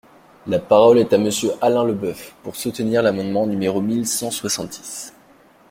La parole est à Monsieur Alain Leboeuf, pour soutenir l’amendement numéro mille cent soixante-dix.